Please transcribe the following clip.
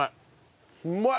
うまい！